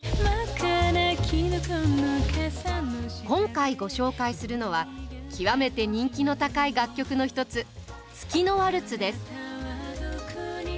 今回ご紹介するのは極めて人気の高い楽曲の１つ「月のワルツ」です。